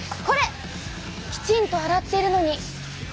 きちんと洗っているのに。